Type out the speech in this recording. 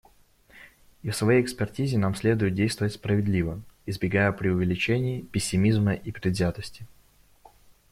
И в своей экспертизе нам следует действовать справедливо, избегая преувеличений, пессимизма и предвзятости.